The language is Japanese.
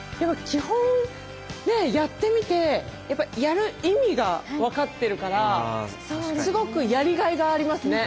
基本ねやってみてやっぱやる意味が分かってるからすごくやりがいがありますね。